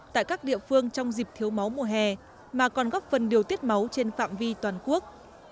tại các địa phương trong dịp thiếu máu mùa hè mà còn góp phần điều tiết máu trên phạm vi toàn quốc